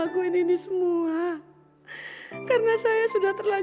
tuh ini juga kesukaran